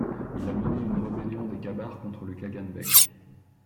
Il a mené une rébellion des Kabars contre le Khagan Bek.